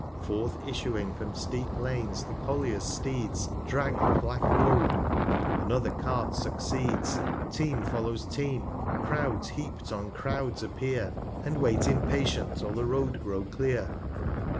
Forth issuing from steep Lanes, the Colliers Steeds 25 Drag the black Load ; another Cart succeeds, Team follows Team, Crouds heap'd on Crouds ap pear, And wait impatient, 'till the Road grow clear.